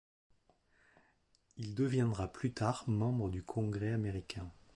Il deviendra plus tard membre du Congrès américain.